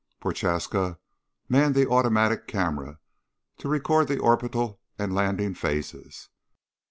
Prochaska manned the automatic camera to record the orbital and landing phases.